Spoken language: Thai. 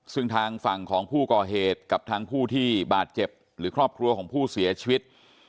ซึ่งทางฝั่งของผู้ก่อเหตุกับทางผู้ที่บาดเจ็บหรือครอบครัวของผู้เสียชีวิต